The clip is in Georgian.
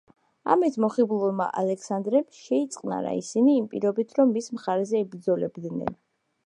ამით მოხიბლულმა ალექსანდრემ შეიწყნარა ისინი, იმ პირობით, რომ მის მხარეზე იბრძოლებდნენ.